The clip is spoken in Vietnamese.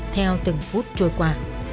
theo từng phút trôi qua